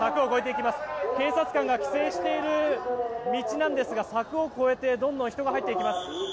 警察官が規制している道なんですが柵を越えてどんどん人が入っていきます。